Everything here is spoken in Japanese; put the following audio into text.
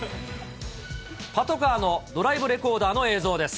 パトカーのドライブレコーダーの映像です。